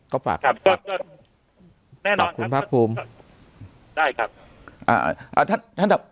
ก็ฝากครับแน่นอนครับได้ครับ